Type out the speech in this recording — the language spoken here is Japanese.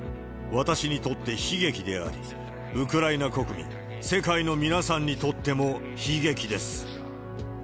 私にとって悲劇であり、ウクライナ国民、世界の皆さんにとっても悲劇です。